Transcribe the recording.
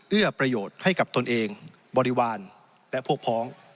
เอื้อประโยชน์ให้กับตนเองบริวารและพวกพ้อง